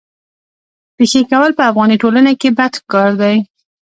پېښې کول په افغاني ټولنه کي بد کار دی.